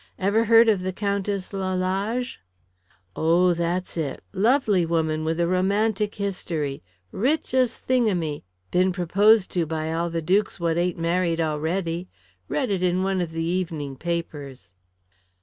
Ever heard of the Countess Lalage?" "Oh, that's it. Lovely woman with a romantic history. Rich as thingamy, been proposed to by all the dukes what ain't married already. Read it in one of the evening papers."